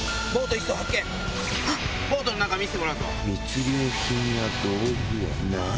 １艘発見ボートの中見せてもらうぞ・密漁品や道具はない。